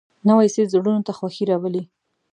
نوی څېز زړونو ته خوښي راولي